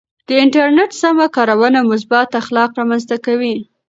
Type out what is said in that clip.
د انټرنیټ سمه کارونه مثبت اخلاق رامنځته کوي.